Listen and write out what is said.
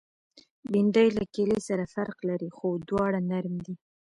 بېنډۍ له کیلې سره فرق لري، خو دواړه نرم دي